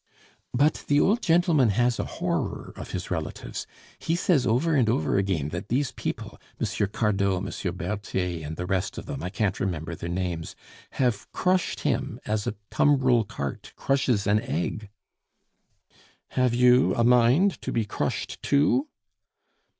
"But the old gentleman has a horror of his relatives. He says over and over again that these people M. Cardot, M. Berthier, and the rest of them (I can't remember their names) have crushed him as a tumbril cart crushes an egg " "Have you a mind to be crushed too?"